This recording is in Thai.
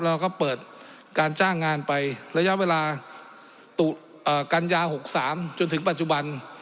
เราก็เปิดการจ้างงานไประยะเวลา๖๓จนถึงปัจจุบัน